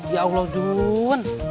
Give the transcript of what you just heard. ya allah jun